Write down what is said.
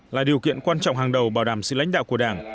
là điều kiện quan trọng hàng đầu bảo đảm sự lãnh đạo của đảng